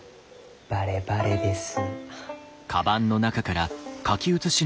バレバレです。